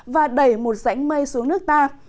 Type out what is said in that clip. và đẩy một rãnh mây xuống nước ta